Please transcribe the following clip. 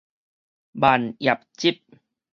萬葉集